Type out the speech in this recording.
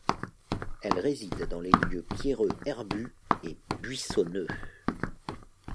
Elle réside dans les lieux pierreux herbus et buissonneux.